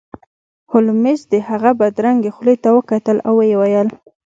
هولمز د هغه بدرنګې خولې ته وکتل او ویې ویل